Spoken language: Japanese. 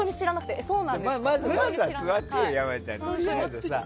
まず座ってよ、山ちゃん。